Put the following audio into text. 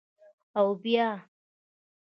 _اوبيا؟